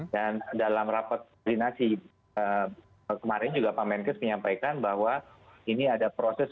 dan dalam rapat vaksinasi kemarin juga pak menkes menyampaikan bahwa ini ada proses